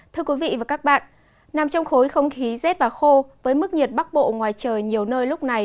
thưa quý vị và các bạn nằm trong khối không khí rét và khô với mức nhiệt bắc bộ ngoài trời nhiều nơi lúc này